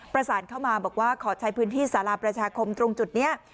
ประสานเข้ามาบอกว่าขอใช้พื้นที่สาราประชาคมตรงจุดนี้